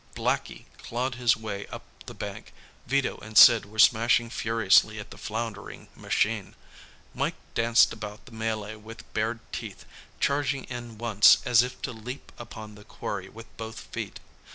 Blackie clawed his way up the bank. Vito and Sid were smashing furiously at the floundering machine. Mike danced about the melee with bared teeth, charging in once as if to leap upon the quarry with both feet.